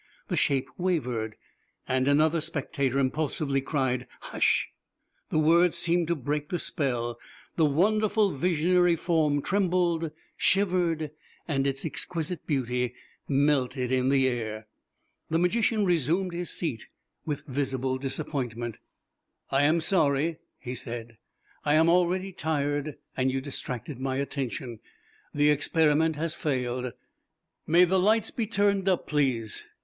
The shape wavered, and another spectator impulsively cried "Hush!" The word seemed to break the spell. The wonderful visionary form trembled, shivered, and its exquisite beauty melted in the air. The magician resumed his seat with visible disappointment. "I am sorry," he said. "I am already tired, and you distracted my attention. The experiment has failed. May the lights be turned up, please."